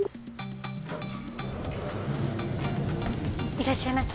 いらっしゃいませ。